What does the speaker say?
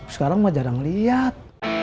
sekarang mah jarang liat